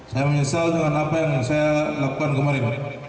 saya menyesal dengan apa yang saya lakukan kemarin